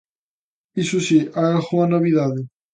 Iso si, hai algunha novidade.